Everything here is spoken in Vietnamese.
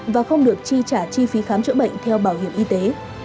và không được chi trả chi phí khám chữa bệnh theo bảo hiểm y tế